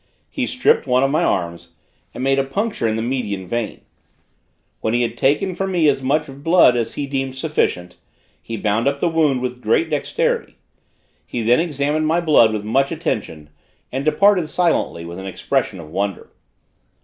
He stripped one of my arms, and made a puncture in the median vein. When he had taken from me as much blood as he deemed sufficient, he bound up the wound with great dexterity. He then examined my blood with much attention, and departed silently, with an expression of wonder.